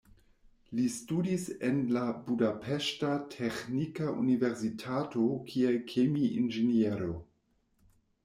Li studis en la Budapeŝta Teĥnika Universitato kiel kemi-inĝeniero.